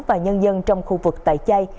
và nhân dân trong khu vực tại chay